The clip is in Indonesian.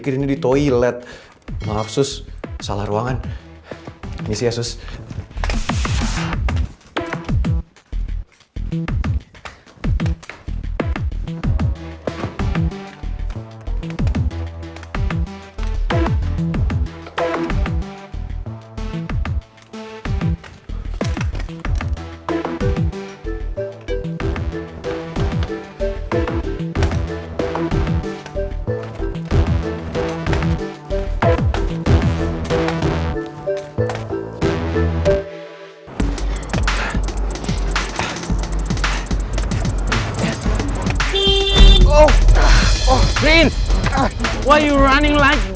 kenapa lu berjalan begini